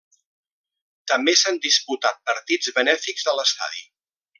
També s'han disputat partits benèfics a l'estadi.